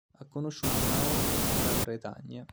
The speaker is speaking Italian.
Ha conosciuto Una Hong in Gran Bretagna.